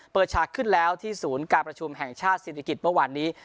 ฉากขึ้นแล้วที่ศูนย์การประชุมแห่งชาติศิริกิจเมื่อวานนี้